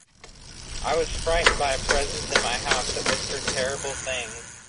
I was frightened by a presence in my house that whispered terrible things.